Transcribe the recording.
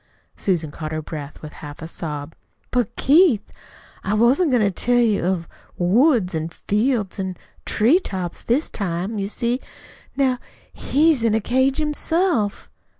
Susan caught her breath with a half sob. "But, Keith, I wasn't going to tell you of of woods an' fields an' tree tops this time. You see now he's in a cage himself."